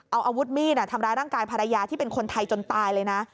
เอาอาวุธมีดทำร้ายร่างกายภรรยาที่เป็นคนไทยจนตายเลยนะ